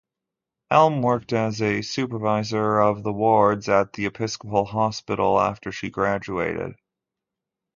Elm worked as supervisor of the wards at the Episcopal Hospital after she graduated.